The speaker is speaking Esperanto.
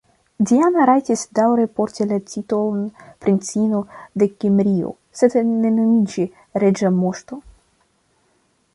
Diana rajtis daŭre porti la titolon "Princino de Kimrio", sed ne nomiĝi "reĝa moŝto".